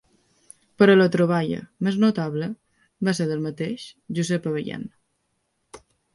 Però la troballa més notable va ser del mateix Josep Abellan.